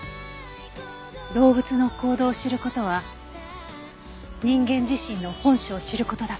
動物の行動を知る事は人間自身の本性を知る事だって。